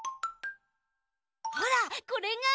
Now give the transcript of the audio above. ほらこれが。